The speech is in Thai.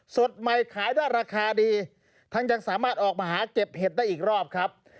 สดใหม่ขายได้ราคาดีทั้งยังสามารถออกมาหาเก็บเห็ดได้อีกรอบครับ